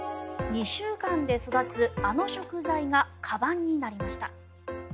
２週間で育つあの食材がかばんになりました。